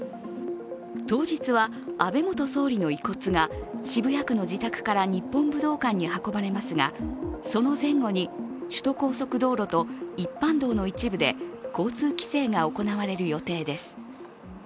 当日は安倍元総理の遺骨が渋谷区の自宅から日本武道館に運ばれますがその前後に、首都高速道路と一般道の一部で交通規制が行われる予定です。